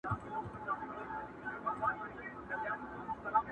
ورور په نغري کي بوخت دی خو فکرونه يې بل لور ته روان دي,